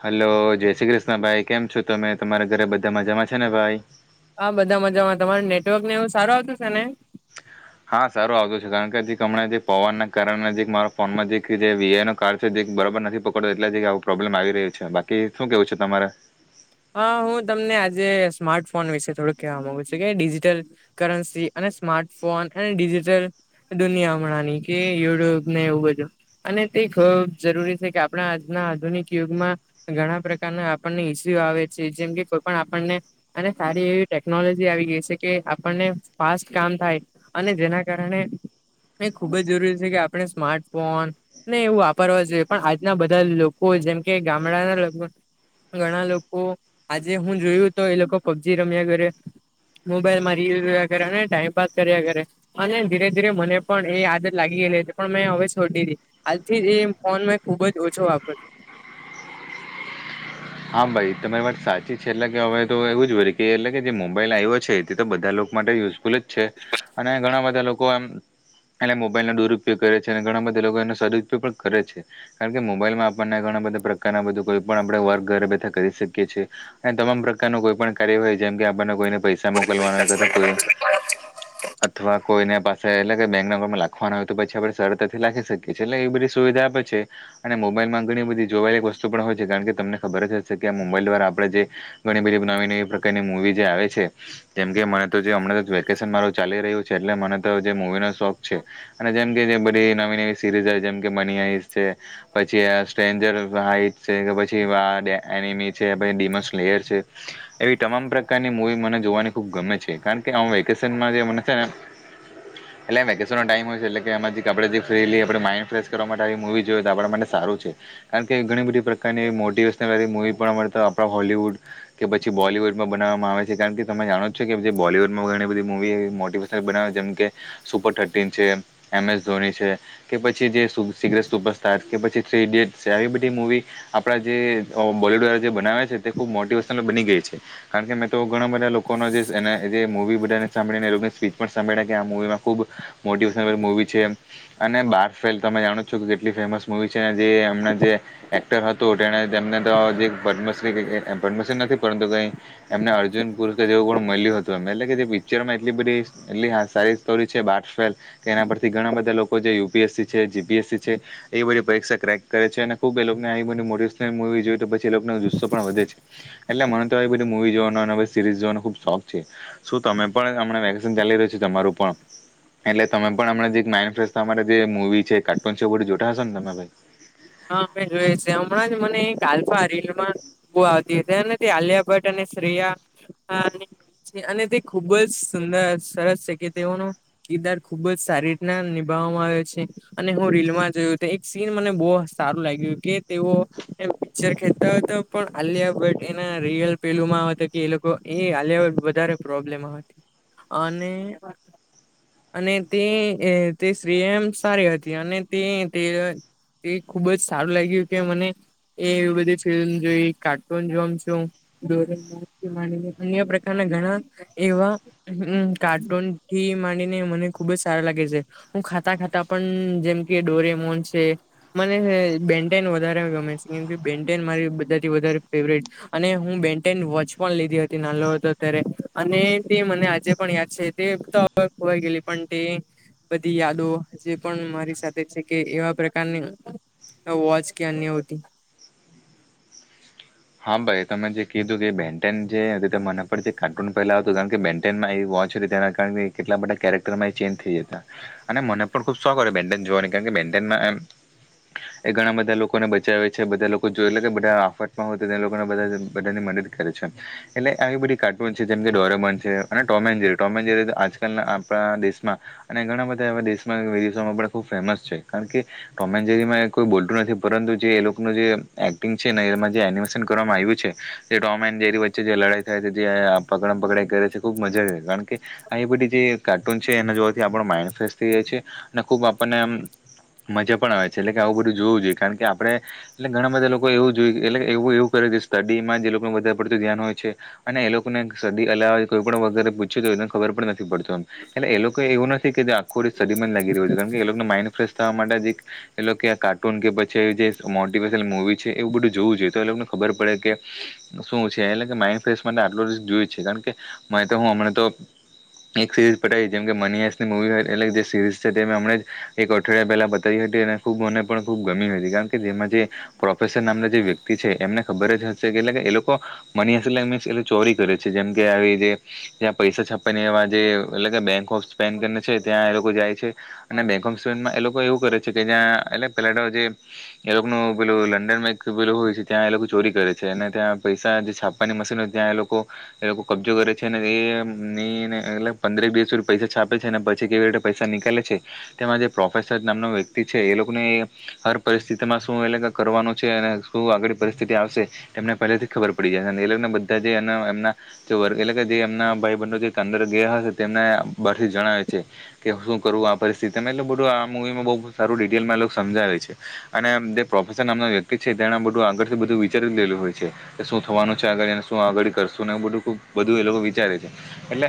Hello, જય શ્રી કૃષ્ણ ભાઈ, કેમ છો તમે, તમારા ઘરે બધા મજામાં છે ને ભાઈ. હા બધા મજામાં તમારું નેટવર્ક ને એવું સારું આવતું છે ને. હા સારું આવતું છે કારણ કે હમણાં જે પવન ના કારણે નજીક મારા ફોન માંજી જે વીઆન કાર છે જે બરાબર નથી પકડતો એટલે જ આવું પ્રોબ્લેમ આવી રહ્યું છે બાકી શું કેવું છે તમારે? હ હું તમને આજે સ્માર્ટફોન વિશે થોડું કહેવા માગુ છું કે ડિજિટલ કરન્સી અને સ્માર્ટફોન અને ડિજિટલ દુનિયા હમાંણાની કે યુટ્યુબ ને એવું બધું. અને તે ખૂબ જરૂરી છે, કે આપણા આજના આધુનિક યુગમાં ઘણા પ્રકારના આપણનેઈ આવે છે, જેમ કે કોઈ પણ આપણને અને સારી એવી ટેકનોલોજી આવી ગઈ છે, કે આપણને ફાસ્ટ કામ થાય. અને જેના કારણે એ ખુબ જ જરૂરી છે, કે આપણે સ્માર્ટફોન નહી એવું વાપરવા જોઈએ પણ આજના બધા લોકો જેમ કે ગામડાના લગ ઘણા લોકો ઓ આજે હું જોયું તો એ લોકો પબજી રમ્યા ઘે. મોબાઈલ મારી યુઝ્યા કરે ને ટાઈમ પાસ કર્યા કરે. અને ધીરે ધીરે મને પણ એ આદત લાગી ગયલી હતી પણ મેં હવે છોડી હતી. હાલથી જ એ ફોન મે ખુબ જ ઓછો વાપરો છ,. હા ભાઈ તમારી વાત સાચી છે, એટલે કે હવે તો એવું જ હોય કે એટલે કે જે મુંબઈ લ આવ્યો છે, તે તો બધા લોકો માટે યુઝફુલ જ છે, અને ઘણા બધા લોકો એમ એટલે મોબાઈલનો દુરુપયોગ કરે છે અને ઘણા બધા લોકો એનો સદુઉપયોગ પણ કરે છે, કારણ કે મોબાઈલમાં આપણને ઘણા બધા પ્રકારના બધું કોઈ પણ આપણેે વર્ક ઘર બેથા કરી શકીએ છીએ અને તમામ પ્રકાર ન કોઈ પણ કાર્ય હોય જેમ કે આપને કોઈને પૈસા તે મોકલવાનો એ, છું. અથવા કોઈને પાસે એટલે કે બેંક ના અંરમાં લખવાના હોય તો પછી આપડે સરરતથી લખી શકીએ કે છેલ્લે એ બધી સુવિધા આપે છે, અને મોબાઈલમાં ઘણી બધી જોવાયેલી વસ્તુ પણ હોય છે, કારણ કે તમને બર જ છે કે આ મોબાઈલ દ્વારા આપણે જે ઘણી બધી નવી નવી પ્રકારની મૂવી જે આવે છે, કેમ કે મને તો જે હમણાં વેકેશન મારું ચાલી રહ્યું છે, એટલે મને તો જે મવીનો શોક છે અને જેમ કે જે બધી નવી નવી સિરીઝ આવે જેમ કે મની આઈ છે પછી સ્ટન્જર હાઈટ છે, કે પછી એમી છે એવી તમામ પ્રકારની મુવી મને જોવાની ખુબ ગમે છે કારણ કે વેકેશનમાં જે મને છે, ને [inaudible] એટલે વેકેશનનો ટાઈમ હોય છે એટલે કે એમાં જેથી આપણે જે ફ્રીલી આપણે માઇન્ડ ફ્રેશ કરવા માટે આવી મૂવી જોયએ તો આપણા માટેને સારું છે, કારણ કે ઘણી બધી પ્રકારની મોટિવેશનલ મુવી પણ અ આપ હોલીવુડ કે પછી બોલીવુડમાં બનાવવામાં આવે છે, કારણ કે તમે જાણો જ છો કે જે બોલીવુડમાં ઘણી બધી મુવી મોટી બના જેમ કે સુપર થર્ટીન છે, એમ એસ ધોની છે, કે પછી જે સિગ્રેટ સુપરસ્ટાર્ કે પછી થ્રી ઇડિયટ છે, આવી બધી મૂવી આપણા જે બોલીવૂડ જે બનાવે છે, તે ખુબ મોટિવેશનલ બની ગઈ છે, કારણ કે મેં તો ઘણા બધા લોકોના જેને મવી બધાને સાંભળીને એ લોકોની સ્પીચ પણ સાંભળ્યા કે આ મુવીમાં ખુબ મોટેશનલ મુવી છે, અને બારફેલ તમે જાણો છો કે કેટલી ફેમસ મુવી છે, જે એમના જે એક્ટર હતું તેને તેમને તો જે પદ્મશ્રી પદ્મશ્રી નથી પરંતુ કઈ એમને અર્જુન પુર જેવું પણ મળ્યું હતું, એ એટલે કે જે પિક્ચરમાં એટલી બધી એટલી હા સારી સ્ટોરી છે, બટફેલ કે એના પરથી ઘણા બધા લોકો જે યુપીએસસી છે જીપીએસસી છે એ બધી પરીક્ષા ક્રેક કરે છે, અને ખુબ એ લોકોને આ બધી મોટીવેશનલ મુવી જોઈએ તો પછી એ લોકોનો જુસ્સો પણ વધે છે, એટલે મને તો આ બધી મુવી જોવાનો સીરીઝ જોવાનો ખુબ શોખ છે, શું તમે પણ હમણા વેકેશન ચાલી રહ્યું છે, તમારું પણ એટલે તમે પણ અમણાં થી જે માઇન્ડ ફ્રેશ તમારા જે મુવી છે કાર્ટુન છે બધું જોતા હશો ને તમે ભાઈ હા અમે જોઈએ છે, હમણાં જ મને એક આલ્ફા રીલમાં બહુ આવતી હતી નથી આલિયા ભટ્ટ અને શિયા અને તે ખુબ જ સુંદર સરસ છે, કે તેઓનું કીરદાર ખુબ જ સારી રીતના નિભાવવામાં આવે છે, અને હું રીલ માં જોયો એક સીન મને બહ સારું લાગ્યું કે તેઓ પિક્ચર ખેચતા હતા, પણ આલિયા ભટ એના રીયલ પેલુંમાં હતુ કે એ લોકો એ હલ્યા વધારે પ્રોબ્લેમ હતી, અને અને તે તે સ્ત્રી એમ સારી હતી, અને તે તે તે ખુબ જ સારું લાગ્યું કે મને એ એવી બધી ફિલ્મ જોઈ, કાર્ટૂન જોમ છું [unintelligible] અન્ય પ્રકારના ઘણા એવા હમ કાર્ટૂન થી માંડીને મને ખુબ જ સારા લાગે છે હું ખાતા ખાતા પણ જેમ કે ડોરેમોન છે મને બેન્ટન વધારે ગમે છે કેમ બે બેનટેન મારી બધાથી વધારે ફેવટરેટ છે અને હું બેનટેન વોચ પણ લીધી હતી નાનલો હતો ત્યારે અને તે મને આજે પણ યાદ છે એક તો હવે ખોવાય ગેલી પણ તે બધી યાદો જે પણ મારી સાથે છે કે એવા પ્રકારની તો વોચ કે અન્ય હોતી હા ભાઈ તમે જે કીધું કે બેન્ટન જેતે મને પર જે કાર્ટૂન પહેલા આવ હતું કારણ કે બેનમાં વોચ રેતના કારણ કે કેટલા બધા કેરેક્ટરમાં એ ચેન્જ થઈ જતા અને મને પણ ખુબ શોખ હો બેનટેન જોવાની કારણ બેનટેન મા એ ઘણા બધા લોકોને બચાવે છે બધા લોકો જોયલે કે બધા આફટ હો તો તે લોકોને બધા બધાને મદદ કરે છે એટલે આવી બધી કાર્ટૂન છે જેમ કે ડોરેમન છે અને ટોમેન જેરી ટોમેન જેરી તો આજકાલના આપણા દેશમાં અને ઘણા બધા એવા દેશમાં વિદેશોમાં પણ ખૂબ ફેમસ છે કારણ કે ટોમે જેરી કોઈ બોલતું નથી પરંતુ જે એ લોકોનું જે એક્ટિંગ છે ને એમાં જે એનિમેશન કરવામાં આવ્યું છે જે ટોમ એન્ડ જેરી વચ્ચે જે લડાઈ થાય છે જે પકડમ પકડાઈ કરે છે ખુબ મજા કારણ કે આ બધી જે કાર્ટૂન છે એના જોવાબ આપણો માઇન્ડ ફ્રેશ થઈ જાય છે અને ખુબ આપણને મજા પણ આવે છે એટલે કે આવું બધું જોવું જોઈએ કારણ કે આપડે એટલે ઘણા બધા લોકો એવું જોઈએ. એટલે એવું એવું કરે છે સ્ટડીમાં જે લોકોનું વધારે પડતું ધ્યાન હોય છે. અને એ લોકોને સદી અલાવા કોઈ પણ વગરે પૂછ્યું તો એને ખબર પણ નથી પડતો. એટલે એ લોકો એવું નથી કે જે આખું સદીમાંંધ લાગી રહ્યું છે કારણ કે એ લોકોને માઇન્ડ ફ્રેશ થવા માટે જે એક એટલે કે કાર્ટૂન કે પછી જે મોટિવેશનલ મુવી છે એવું બધું જોવું જોઈએ તો એ લોકોને ખબર પડે કે શું છે એલે કે માઇન્ડ ફ્રેશ માટે આટલો ર જોઈ જ છે કારણ કે. મ તો હું હમણાં તો. એક સિરીઝ પઠાવ જેમ કે મની હસની મુવીટ એટલે જે સીરીઝ છે તેમ હમણે એક અઠવાડિયા પહેલા બતાવી હતી અને ખૂબ મને પણ ખૂબ ગમી હતી કારણ કે જેમાં જે પ્રોફેસર નામને જે વ્યક્તિ છે એમને ખબર જ હશે કે એટલે કે એ લોકો મની અસ અમે એટલે ચોરી કરે છે જેમ કે આવી જે ત્યાં પૈસા છાપણીયા માં જે એ કે બેંક ઓફ સ્ને ત્યાં એ લોકો જાય છે અને બે એ લોકો એવું કરે છે કે જ્યાં એટલે પેલા તે જે એ લોકો પેલું લંડન અમે લોકો હોય છે ત્યાં એ લોકો ચોરી કરે છે અને ત્યાં પૈસા છાપવાની મશીન હોય ત્યાં એ લોકો એ લોકો કબજો કરે છે ને એ એ પંદરેક દીસ સુધી પૈસા છાપે છે ને પછી કેવી રીતે પૈસા ની કાલે છે. તેમાં જે પ્રોફેસર નામનો વ્યક્તિ છે એ લોકોને હર પરિસ્થિતિમાં શું એ કરવાનું. શું આગળ પરિસ્થિતિ આવશે એમને પહેથી જ ખબર પડી જાય અને બધા એમ વર્ગ એટલે કે જે એમના ભાઈ બનો જે અંદર ગયા હ તેમને બહથી જણાવે છે. કે શું કરવું આ પરિસ્થિતિમાં એટલે બધું આ મુવીમાં બહ સારું ડિટેલમાં સમજાવે છે અને જે પ્રોફેેશર નામ વ્યક્તિ છે તે બધું આગળથી બધું વિચારી લેલું હોય છે. શું થવાનું છે આગળને શું આગળ કરશુંને એવ બધું બધું એ લોકો વિચારે છે એટલે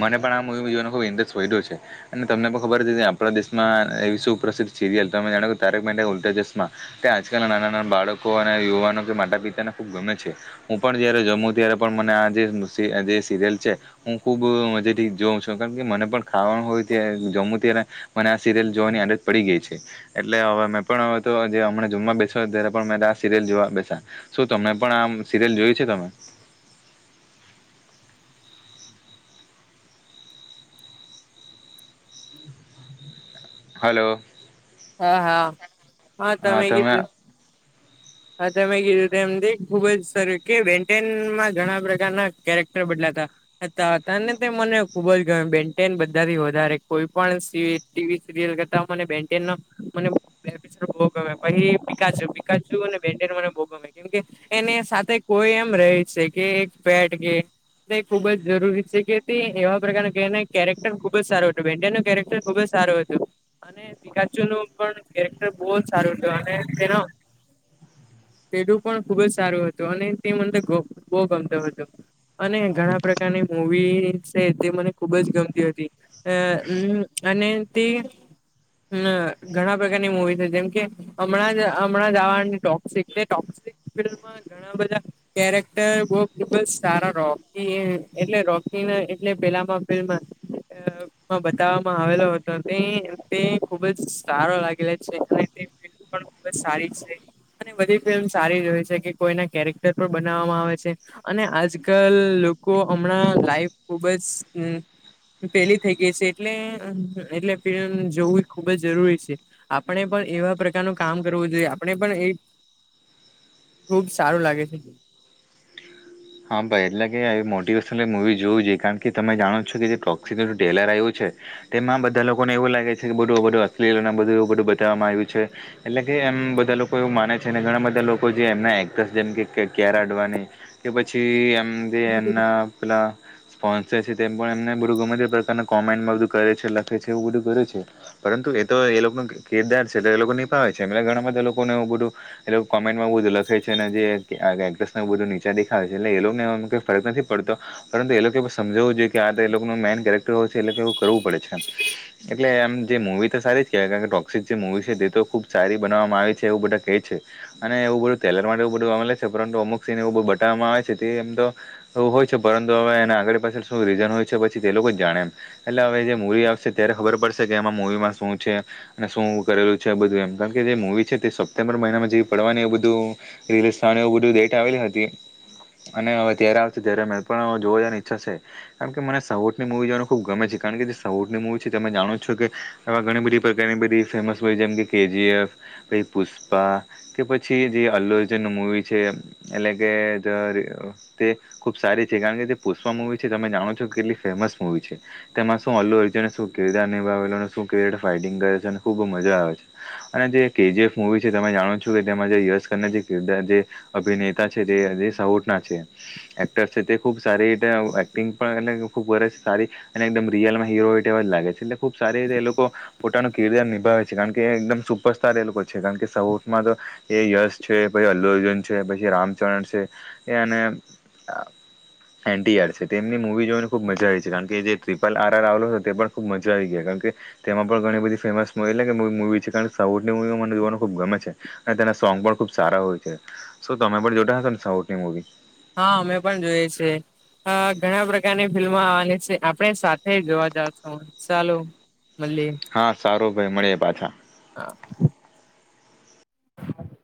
મને પણ આ મુવી જોવાનો ખબ ઇન્ટરેસ્ટ પડ્યો છે. અને તમને તો ખબર જ હશે આપણા દેશમાં એવી સુપ્રસદ્ધ સિરિયલ તમે જાણાવ તારેક મહેતા ઉલ્ટા ચશ્મા ત્યા આજકાલ નાના નાના બાળકો અને યુવાનો કે માતા પિતાને ખુબ ગમે છે. હું પણ જયારે જમું ત્યારે પણ મને આ જે સિરિયલ છે હું ખુબ મજા થી જોઉં છું કે મ કે મને પણ ખાવાનું હોય ત જમું ત્યારે મને આ સિરિયલ જોવાની આદત પડી ગઈ છે એટલે હવે મેં પણ હવે તો આજે જમમાં બેસોય ત્યારે પણ મેતો આ સિરિયલ જોવા બેસા શું તમને પણ આમ સિરિયલ જોયું છે તમે. હલો. હા હા હા તમે કીધું. હા ત મેં કીધું ત એમ ખુબ જ સરું કે બેન્ટનમાં ઘણા પ્રકારના કેરેક્ટર બદલાતા તને તે મને ખુબજ ગમે બેનટેન બધાથી વધારે કોઈ પણ ટીવી સિરયલ કરતા મને બે. મ ભો ગમે પછ પીાુ પીાુ અને બે મને ભોગ ગમે કેમકે એને સાથે કોઈ એમ ર છે કે એક પેટ કે તે ખુબ જ જરૂરી છે કે એવા પ્રકારના ક કેરેક્ટર ખુબ જ સારું હત વેંડિયા નું કેરેક્ટર ખુબ જ સારું હતુ. કાચુ નું પણ કેરેક્ટર બહુ જ સારું છે અને તેનો પેઢું પણ ખુબ જ સારું હતું અને તે મંદર બહુ ગમતો હતું. અને ઘણા પ્રકારની મૂવી છે તે મને ખુબ જ ગમતી હતી. અ હમ્મ અને તે હમ ઘણા પ્રકારની મુવી છે જેમ કે હમણાં જ હમણાં જ આવવાની ટોક્સિક ટોક્િક ફિલ્મમાં ઘણા બધા કેરેક્ટર બહ બિલકુલ સારા રોકી એટલે રોકી એટલે પેલામાં ફિલ્મ અ માં બતાવવામાં આવેલો હતો તે ખુબ જ સારો લાગેલો છે અને તે ફિલ્મ પણ ખુબ જ સારી છે અને બધી ફિલ્મ સારી જ હોઈ છે કે કોઈના કેરેક્ટર પણ બનાવવામાં આવે છે. અને આજકાલ લોકો હમણાં લાાઈફ ખુબ જ પેલી થઈ ગઈ છે એટલે એટલે જોવું એ ખુબ જ જરૂરી છે આપણે પણ એવા પ્રકારનું કામ કરવું જોઈએ આપણે પણ એ. ખુબ સારું લાગે છે. હા ભાઈ એટલે કે મોટિવેશનલ મુવી જોવું જોઈએ કારણ કે તમે જાણો છો કે જે ટોક્સી ટ્રેલર આવ્યું છે. તેમાં બધા લોકોને એવું લાગે છે કે બધું એું બધું અસ્ બધું એવું બધું બતાવવામાં આવ્યું છે એટલે કે એમ બધા લોકો એવું માને છે ઘણા બધા લોકો જે એમના એક્ટર્ જેમ કાર અડવાણી કે પછી એમ જે એમના પેલા સ્પોન્સર છે તેમ પણ એમને બું ગમે તે પ્રકારના કોમેન્ટમાં બધું કરે છે લખે છે એવું બધું કરે છે પરંતુ એ તો એ લોકોનો કેરદાર છે એટલે એ લોકો નિભાવે છે એમ ઘણા બધા લોકોને એવું બધું એ લોકો કોમેન્ટમાં બધું લખે છે અને જે એક્ટસ બધું દેખાે છે એટલે એઈ ફરક નથી પડતો પરંતુ એ લોકો એ સમજાવવું જોઈએ કે આ તો એ લોકો મેન કેરેક્ટર હોય એ લોકો એવ કરવું પડે છે એટલે એમ જે મવી તો સારી કેવાય કારણ કે ટોક્સિક જે મુવી છે તે તો ખુબ સારી બનાવવામાં આવે છે એવું બધા કેહે છે અને એવું બધું તેલર માટે એવું બધું ગે છે પરંતુ અમુક સિન એવું બધું બટવામાં આવે છે તે એમ તો એવું હોય છે પરંતુ હવે એને આગળ પાછળ શું રીઝન હોય છે પછી તે લોકો જ જાણે એમ એટલે હવે જે મરી આવશે ત્યારે ખબર પડશે કે આમાં મરીમાં શું છે અને શું કરેલું છે બધું એમ કારણ કે જે મવી છે તે સપ્ટેમ્બર મહિનામાં જેવી પડવાની એવું બધું રે સ્થા બધું લેટ આવેલી હતી અને હવે ત્યારે આવશે ત્યારે મે પણ જોવા જની ઈચ્છા છે કેમ કે મને સહટની મૂવી જોવાનું ખુબ ગમે છે કારણ કે જે સૌટની મવી છે તમે જાણો છો કે એવા ઘણી બધી પ્રકારની બધી ફેમસ હોય જેમકે કેજી એફ પછ પુષ્પા કે પછી જે અલ્લોજન ન મૂવી છે એટલે કે તે ખુબ સારી છે કારણ કે જે પુષ્પા મુવી છે તમે જાણો છો કે કેટલી ફેમસ મુવી છે તેમાં શું અલ્લુંને શું કે નિાવ શું ફાઈટિંગ કરે છે અને ખુબ મજા આવે છે અને જે કેજીએફ મુવી છે તમે જાણો છો કે તેમાં જે યશકર જેરદાર અભિનેતા છે જે સાહુટ ના છે એક્ટર્ છે તે ખુબ સારી એ એક્ટિંગ પણ એ ખબ સારી અને એકદમ રિયલમાંીરો હોય એવા જ લાગે છે એટલે ખુબ સારી રીતે એ લોકો પોતાનું કિરદાર નિભાવે છે કારણ કે એકદમ સુપરસ્ાર એ લોકો છે કારણ કે સૌમાં તો એ યશ છે પછી અલ્લ અર્જુન છે પછી રામચરણ છે એને એન્ટીયાર છે તેમની મૂવી જોઈને ખૂબ મજા આવી છે કારણ કે જે ટ્રિપલ આર આર રાઉલો હતો તે પણ ખૂબ મજા આવી ગયા કારણ કે તેમાં પણ ઘણી બધી ફેમસ એટલે કે મવી છે કારણ કે સાઉથની મવીમાં મને જોવાનું ખુબ ગમે છે અને તેના સોંગ પણ ખુબ સારા હોય છે શ તમે પણ જોતા હશો ને સૌની મવી હા અમે પણ જોયએ છેીએ હ ઘણા પ્રકારની ફિલ્મ આવવાની છે આપણે સાથે જોવા જાવ છ ચાલું. મલીએ. હા સારું ભાઈ મળે પાછા. હા. હા [inaudible]